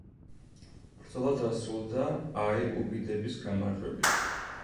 ბრძოლა დასრულდა აიუბიდების გამარჯვებით.